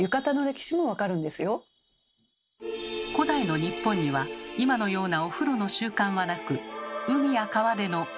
古代の日本には今のようなお風呂の習慣はなく海や川での「沐浴」